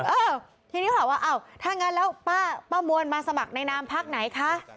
เออทีนี้ถามว่าอ้าวถ้างั้นแล้วป้ามวลมาสมัครในนามพักไหนคะ